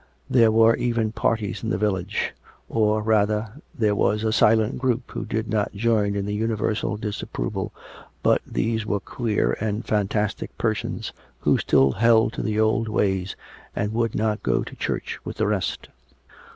There were even parties in the village; or, rather, there was a silent group who did not join in the universal dis approval, but these were queer and fantastic persons, who still held to the old ways and would not go to church with the rest.